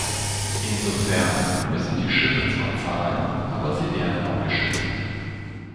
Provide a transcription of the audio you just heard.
Insofern müssen die Schiffe zwar zahlen, aber sie werden auch geschützt.